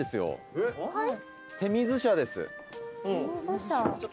・えっ？